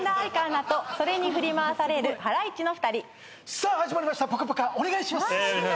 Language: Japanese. さあ始まりました『ぽかぽか』お願いします！